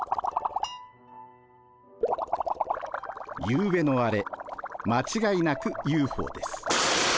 ゆうべのあれ間違いなくＵＦＯです。